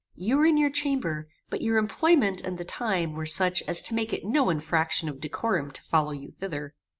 You were in your chamber, but your employment and the time were such as to make it no infraction of decorum to follow you thither.